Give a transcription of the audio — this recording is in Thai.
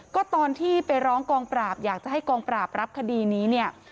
ก็ตอนที่ไปร้องกองปราบอยากจะให้กองปราบรับคดีนี้เนี่ย